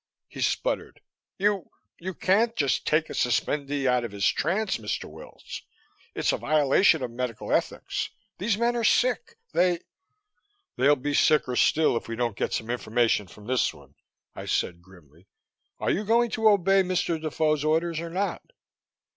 He sputtered, "You you can't just take a suspendee out of his trance, Mr. Wills. It's a violation of medical ethics! These men are sick. They " "They'll be sicker still if we don't get some information from this one," I said grimly. "Are you going to obey Mr. Defoe's orders or not?"